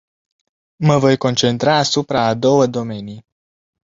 Mă voi concentra asupra a două domenii.